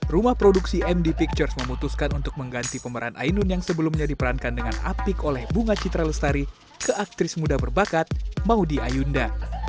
rumah produksi md pictures memutuskan untuk mengganti pemeran ainun yang sebelumnya diperankan dengan apik oleh bunga citra lestari ke aktris muda berbakat maudie ayunda